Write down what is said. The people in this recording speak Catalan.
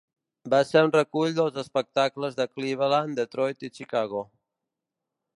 Va ser un recull dels espectacles de Cleveland, Detroit i Chicago.